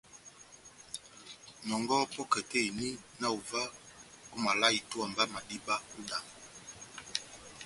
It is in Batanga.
Nɔngɔhɔ pɔ́kɛ tɛ́h eni, na ová omaval a itówa mba madíba ó idango.